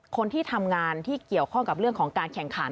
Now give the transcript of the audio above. คนที่ทำงานที่เกี่ยวข้องกับเรื่องของการแข่งขัน